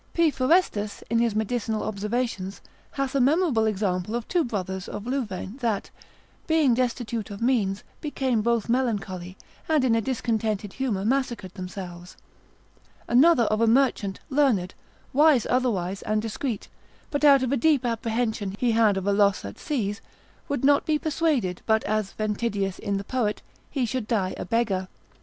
P. Forestus, in his medicinal observations, hath a memorable example of two brothers of Louvain that, being destitute of means, became both melancholy, and in a discontented humour massacred themselves. Another of a merchant, learned, wise otherwise and discreet, but out of a deep apprehension he had of a loss at seas, would not be persuaded but as Ventidius in the poet, he should die a beggar.